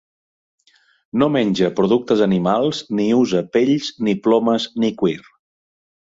No menja productes animals ni usa pells ni plomes ni cuir.